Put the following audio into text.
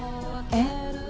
えっ？